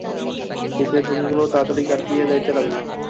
শীতের দিনগুলি তাড়াতাড়ি কাটিয়া যাইতে লাগিল।